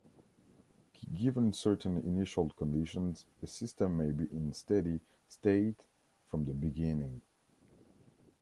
Given certain initial conditions a system may be in steady state from the beginning.